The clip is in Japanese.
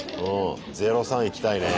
０３いきたいね。